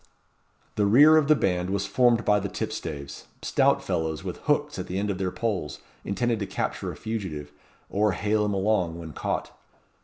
The rear of the band was formed by the tipstaves stout fellows with hooks at the end of their poles, intended to capture a fugitive, or hale him along when caught.